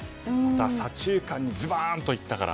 左中間にズバッといったから。